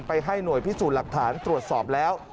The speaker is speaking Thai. ให้หน่วยพิสูจน์หลักฐานตรวจสอบแล้ว